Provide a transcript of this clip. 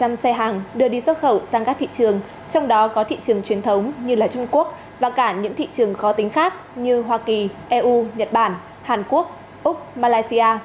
như hoa kỳ eu nhật bản hàn quốc úc malaysia